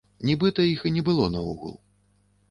Нібыта іх і не было наогул.